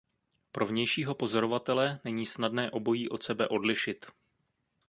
Pro vnějšího pozorovatele není snadné obojí od sebe odlišit.